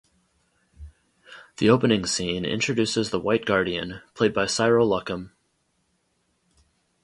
The opening scene introduces the White Guardian, played by Cyril Luckham.